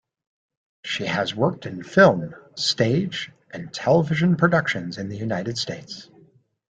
She has worked in film, stage and television productions in the United States.